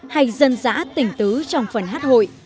hay dân dã tỉnh tứ trong phần hát hội